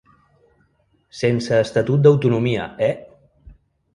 Sense “estatut d’autonomia”, eh!